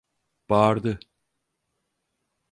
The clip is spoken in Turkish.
Bağırdı: